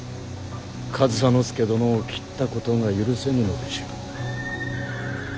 上総介殿を斬ったことが許せぬのでしょう。